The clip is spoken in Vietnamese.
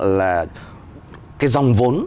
là cái dòng vốn